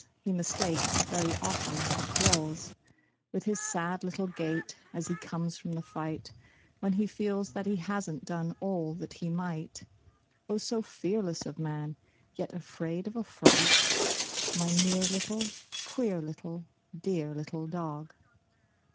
he mistakes very often for claws; With his sad little gait as he comes from the fight When he feels that he hasn't done all that he might; Oh, so fearless of man, yet afraid of a frog, My near little, queer little, dear little dog!